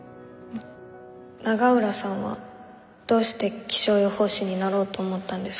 永浦さんはどうして気象予報士になろうと思ったんですか？